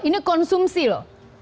ini konsumsi loh